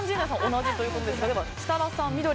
同じということですが設楽さん、緑。